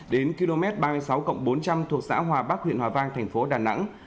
đến km ba mươi sáu bốn trăm linh thuộc xã hòa bắc huyện hòa vang thành phố đà nẵng